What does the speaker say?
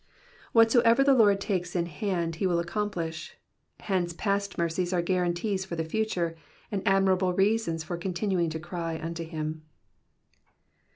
Whatsoever the Lord takes in hand he will accomplish ; hence past mercies are guarantees for the future, and admirable reasons for continuing to cry unto him.